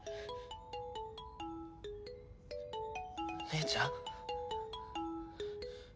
姉ちゃん？